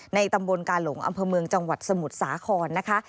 ตำบลกาหลงอำเภอเมืองจังหวัดสมุทรสาครนะคะ